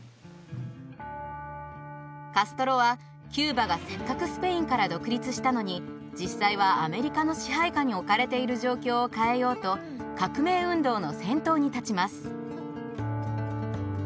カストロはキューバがせっかくスペインから独立したのに実際はアメリカの支配下に置かれている状況を変えようと革命運動の先頭に立ちます。